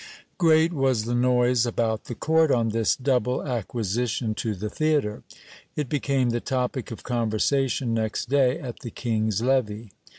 Great was the noise about the court on this double acquisition to the theatre ; it became the topic of conversation next day at the king's levee.